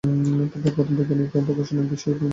তার প্রথম বৈজ্ঞানিক প্রকাশনা এই বিষয়ের উপরে।